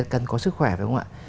cần có sức khỏe phải không ạ